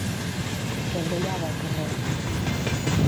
Què brollava al carrer?